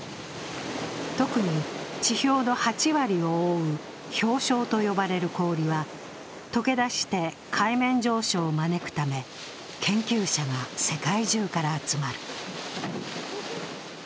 特に地表の８割を多う氷床と呼ばれる氷は解けだして海面上昇を招くため研究者が世界中から集まる。